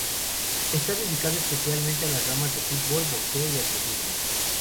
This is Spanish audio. Está dedicado especialmente a las ramas de fútbol, boxeo y atletismo.